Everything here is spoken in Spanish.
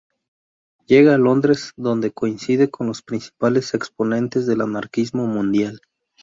Llega a Londres, donde coincide con los principales exponentes del anarquismo mundial.